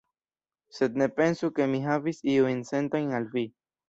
Sed ne pensu ke mi havis iujn sentojn al vi.